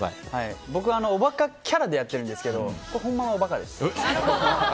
僕、おバカキャラでやっているんですけどホンマの馬鹿です。